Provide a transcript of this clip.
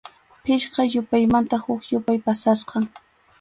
Pichqa yupaymanqa huk yupay yapasqam.